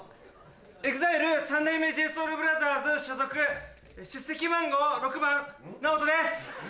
ＥＸＩＬＥ三代目ＪＳＯＵＬＢＲＯＴＨＥＲＳ所属出席番号６番ＮＡＯＴＯです。